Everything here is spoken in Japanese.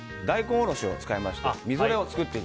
大根おろし。